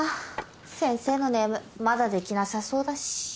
先生のネームまだできなさそうだし。